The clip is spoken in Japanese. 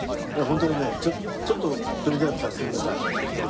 ホントにねちょっとプレゼントさせてください。